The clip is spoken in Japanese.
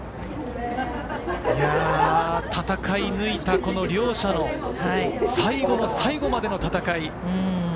戦い抜いた両者の最後の最後までの戦い。